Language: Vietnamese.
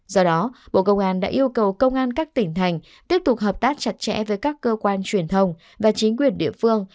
do đó bộ công an đã yêu cầu công an các tỉnh thành tiếp tục hợp tác chặt chẽ với các cơ quan truyền thông và chính quyền địa phương